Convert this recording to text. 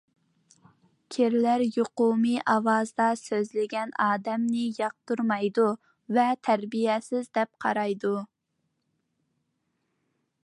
كىرلەر يۇقۇمى ئاۋازدا سۆزلىگەن ئادەمنى ياقتۇرمايدۇ ۋە تەربىيەسىز دەپ قارايدۇ.